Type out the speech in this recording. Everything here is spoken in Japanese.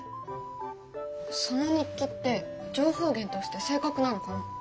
その日記って情報源として正確なのかな？